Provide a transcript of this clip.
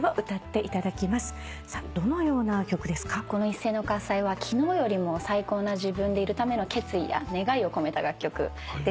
『一斉ノ喝采』は昨日よりも最高な自分でいるための決意や願いを込めた楽曲です。